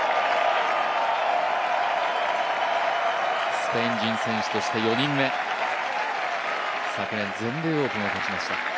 スペイン人選手として４人目、昨年、全米オープンを勝ちました。